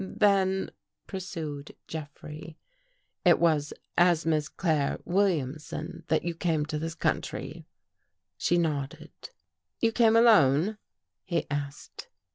" Then," pursued Jeffrey, " it was as Miss Claire Williamson that you came to this country." She nodded. "You came alone?" he asked.